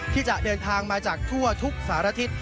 ที่จะเดินทางมาจากทั่วทุกสารทิศ